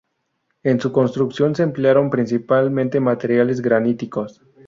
En su construcción se emplearon principalmente materiales graníticos.